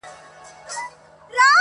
چې اجل پکې ولي نشو خالي شو